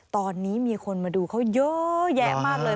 ตอนนี้มีคนมาดูเขาเยอะแยะมากเลย